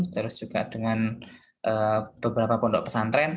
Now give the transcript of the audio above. terus juga dengan beberapa pondok pesantren